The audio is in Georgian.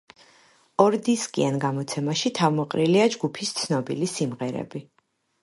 ორდისკიან გამოცემაში თავმოყრილია ჯგუფის ცნობილი სიმღერები.